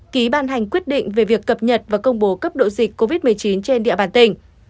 ký ban hành quyết định về việc cập nhật và công bố cấp độ dịch covid một mươi chín trên địa bàn tỉnh